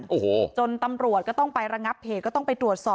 โอ้โหจนตำรวจก็ต้องไประงับเหตุก็ต้องไปตรวจสอบ